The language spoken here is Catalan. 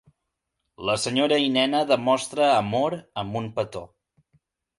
La senyora i nena demostra amor amb un petó.